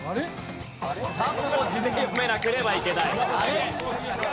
３文字で読めなければいけない。